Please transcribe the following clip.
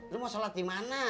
lu mau sholat dimana